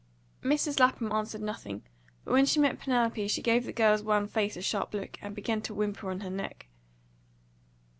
Mrs. Lapham answered nothing; but when she met Penelope she gave the girl's wan face a sharp look, and began to whimper on her neck.